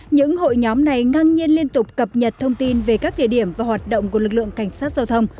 những hội nhóm này ngang nhiên liên tục cập nhật thông tin về các địa điểm và hoạt động của lực lượng cảnh sát giao thông